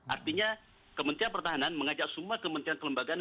artinya kementerian pertahanan mengajak semua kementerian kelembagaan